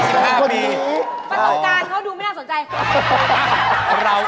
ประสบการณ์เขาดูไม่น่าสนใจ